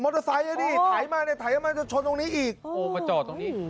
มอเตอร์ไซค์อันนี้ถ่ายมาหน่อยถ่ายมาหน่อยชนตรงนี้อีกโอ้มาจอดตรงนี้